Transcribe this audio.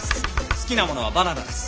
好きなものはバナナです。